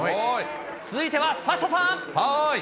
続いてはサッシャさん。